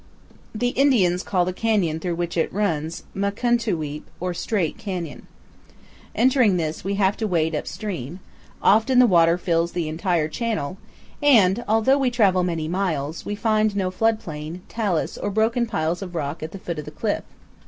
The Indians call the canyon through which it runs, Mukun'tu weap, or Straight, Canyon. Entering this, we have to wade upstream; often the water fills the entire channel and, although we travel many 296 CANYONS OF THE COLORADO. miles, we find no flood plain, talus, or broken piles of rock at the foot of the cliff.